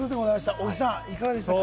小木さん、いかがでしたか？